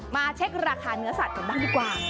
เช็คราคาเนื้อสัตว์กันบ้างดีกว่า